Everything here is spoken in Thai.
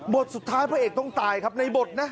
สุดท้ายพระเอกต้องตายครับในบทนะ